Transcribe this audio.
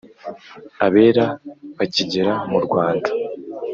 abera bakigera mu Rwanda.